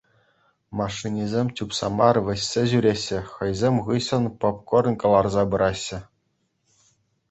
Машинисем чупса мар, вӗҫсе ҫӳреҫҫӗ, хӑйсем хыҫҫӑн попкорн кӑларса пыраҫҫӗ.